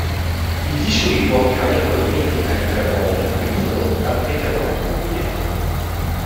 Il disco di Poincaré con la metrica iperbolica qui introdotta è però completo.